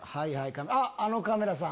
あのカメラさん。